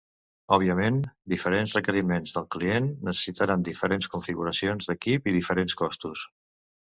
Òbviament, diferents requeriments del client necessitaran diferents configuracions d'equip i diferents costos.